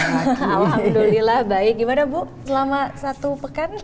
alhamdulillah baik gimana bu selama satu pekan